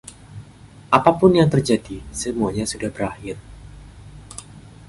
Apapun yang terjadi, semuanya sudah berakhir.